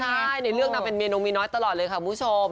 ใช่ในเรื่องนางเป็นเมนูมีน้อยตลอดเลยค่ะคุณผู้ชม